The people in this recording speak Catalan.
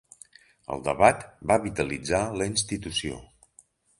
El debat va vitalitzar la institució.